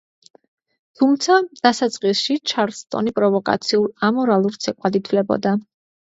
თუმცა დასაწყისში ჩარლსტონი პროვოკაციულ, ამორალურ ცეკვად ითვლებოდა.